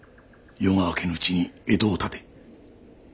夜が明けぬうちに江戸を発て。